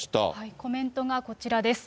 コメントがこちらです。